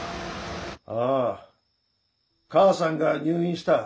ああ母さんが入院した。